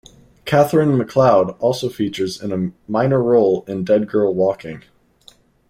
Catherine McLeod also features in a minor role in "Dead Girl Walking".